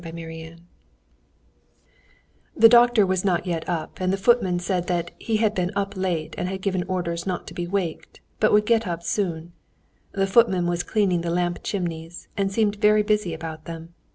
Chapter 14 The doctor was not yet up, and the footman said that "he had been up late, and had given orders not to be waked, but would get up soon." The footman was cleaning the lamp chimneys, and seemed very busy about them.